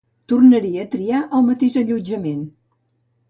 Tornaria a triar el mateix allotjament.